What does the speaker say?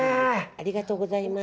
ありがとうございます。